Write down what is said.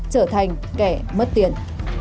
trở thành kẻ mất tiền